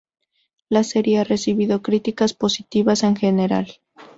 La serie ha recibido críticas positivas en general.